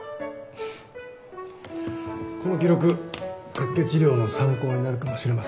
この記録脚気治療の参考になるかもしれません。